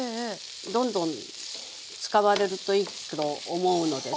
どんどん使われるといいと思うのです。